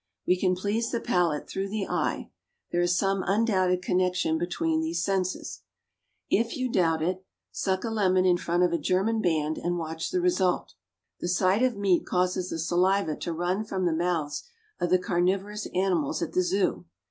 We can please the palate through the eye. There is some undoubted connection between these senses. If you doubt it, suck a lemon in front of a German band and watch the result. The sight of meat causes the saliva to run from the mouths of the carnivorous animals at the Zoo.